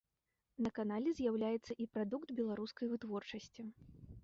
На канале з'яўляецца і прадукт беларускай вытворчасці.